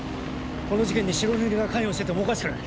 この事件に白塗りが関与しててもおかしくない。